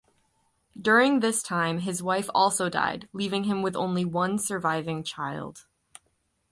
During this time his wife also died, leaving him with only one surviving child.